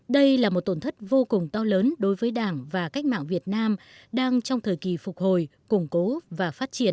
đây là một tổn thất vô cùng to lớn đối với đảng và cách mạng việt nam đang trong thời kỳ phục hồi củng cố và phát triển